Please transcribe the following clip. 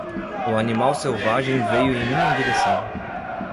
O animal selvagem veio em minha direção.